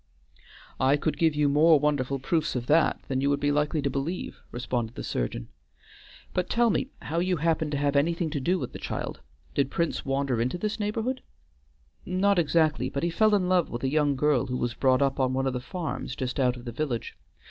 "I could give you more wonderful proofs of that than you would be likely to believe," responded the surgeon. "But tell me how you happened to have anything to do with the child; did Prince wander into this neighborhood?" "Not exactly, but he fell in love with a young girl who was brought up on one of the farms just out of the village.